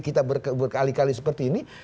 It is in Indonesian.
kita berkali kali seperti ini